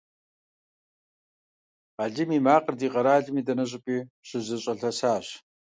Алим и макъыр ди къэралым и дэнэ щӀыпӀи щызэлъащӀэсащ.